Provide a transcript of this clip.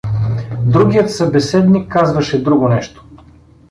Другият събеседник казваше друго нещо.